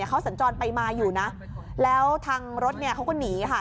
เขาสัญจรไปมาอยู่นะแล้วทางรถเนี่ยเขาก็หนีค่ะ